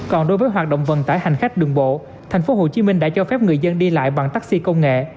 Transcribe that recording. còn đối với hoạt động vận tải hành khách đường bộ tp hcm đã cho phép người dân đi lại bằng taxi công nghệ